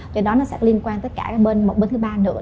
do đó nó sẽ liên quan tới cả một bên thứ ba nữa